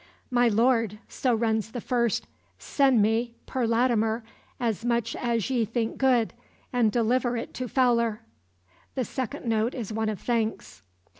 "My lord," so runs the first, "send me, per Latimer, as much as ye think good, and deliver it to Fowler." The second note is one of thanks.